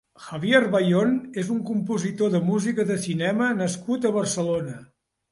Javier Bayon és un compositor de música de cinema nascut a Barcelona.